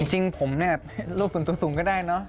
จริงผมเนี่ยโรคส่วนตัวสูงก็ได้เนอะ